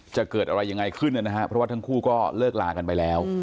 จะเกิดอะไรยังไงขึ้นนะฮะเพราะว่าทั้งคู่ก็เลิกลากันไปแล้ว